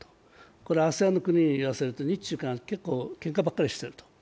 これはＡＳＥＡＮの国に言わせると日中韓は、けんかばかりしていると。